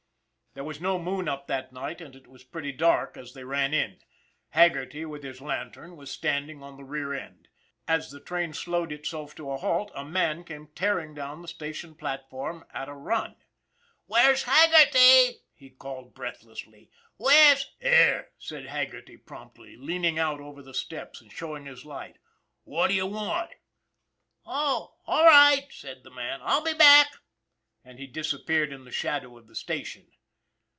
There was no moon up that night, and it was pretty dark as they ran in. Haggerty, with his lantern, was standing on the rear end. As the train slowed itself to a halt, a man came tearing down the station plat form at a run. "Where's Haggerty?" he called breathlessly. " Where's "" Here," said Haggerty promptly, leaning out over the steps and showing his light. " What d'ye want? "" Oh, all right," said the man. " I'll be back" and he disappeared in the shadow of the station.